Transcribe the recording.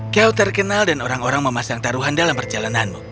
kau terkenal dan orang orang memasang taruhan dalam perjalananmu